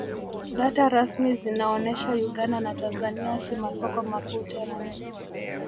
Data rasmi zinaonesha Uganda na Tanzania si masoko makuu tena